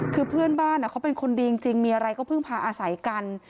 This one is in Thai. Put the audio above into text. คือเพื่อนบ้านเขาเป็นคนดีจริงมีอะไรก็เพิ่งพาอาศัยกัน